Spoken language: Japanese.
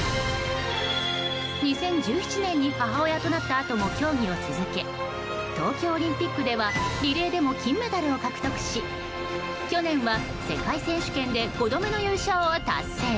２０１７年に母親となったあとも競技を続け東京オリンピックではリレーでも金メダルを獲得し去年は世界選手権で５度目の優勝を達成。